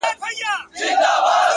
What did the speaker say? پوهه د ژوند کیفیت لوړوي.!